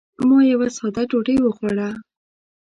ما یوه ساده ډوډۍ وخوړه.